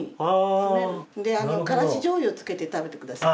からしじょうゆをつけて食べて下さい。